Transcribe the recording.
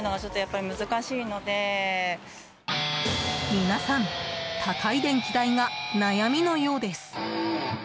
皆さん、高い電気代が悩みのようです。